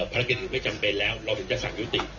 ภารกิจอื่นไม่จำเป็นแล้วเราถึงจะสั่งยุติ